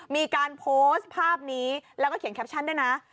มีการโพสต์ภาพนี้แล้วก็เขียนแคปชั่นด้วยนะ